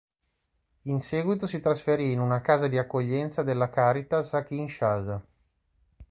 In seguito si trasferì in una casa di accoglienza della Caritas a Kinshasa.